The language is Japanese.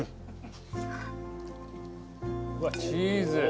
うわっチーズ。